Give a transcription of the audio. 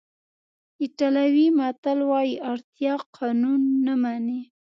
ایټالوي متل وایي اړتیا قانون نه مني.